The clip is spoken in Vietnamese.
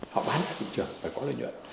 họ bán ra thị trường phải có lợi nhuận